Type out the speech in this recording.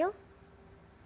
sampai saat ini sore tadi